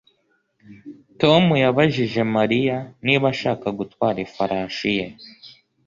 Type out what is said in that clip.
Tom yabajije Mariya niba ashaka gutwara ifarashi ye